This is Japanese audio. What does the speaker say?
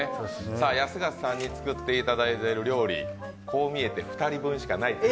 安形さんに作っていただいてている料理、こう見えて２人分しかないんです。